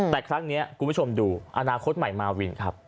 แต่ครั้งนี้คุณผู้ชมดูอนาคตใหม่มาวินครับ